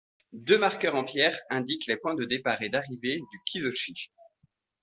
Deux marqueurs en pierre indiquent les points de départ et d'arrivée du Kisoji.